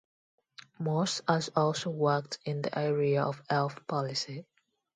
Morse has also worked in the area of health policy.